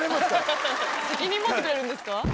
責任持ってくれるんですか？